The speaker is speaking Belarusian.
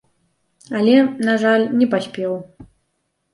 Але, на жаль, не паспеў.